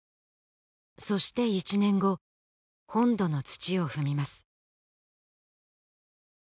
そして１年後本土の土を踏みます